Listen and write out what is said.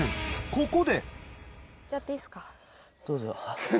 ここでどうぞ。